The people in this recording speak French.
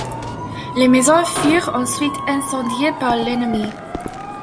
Les maisons furent ensuite incendiées par l'ennemi.